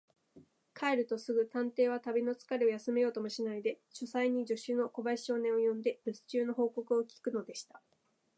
帰るとすぐ、探偵は旅のつかれを休めようともしないで、書斎に助手の小林少年を呼んで、るす中の報告を聞くのでした。